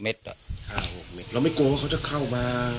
๕๖เมตรแล้วไม่กลัวว่าเขาจะเข้ามา